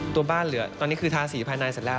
ตัวบ้านเหลือตอนนี้คือทาสีภายในเสร็จแล้ว